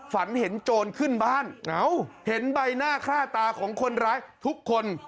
ฝันเห็นโจรขึ้นบ้านเห็นใบหน้าค่าตาของคนร้ายทุกคน